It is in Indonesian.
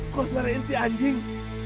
kok suara inti anjing